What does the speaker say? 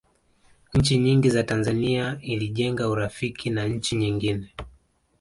nchi nyingi za tanzania ilijenga urafiki na nchi nyingine